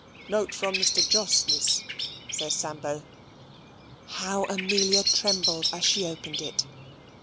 "Note from Mr. Jos, Miss," says Sambo. How Amelia trembled as she opened it!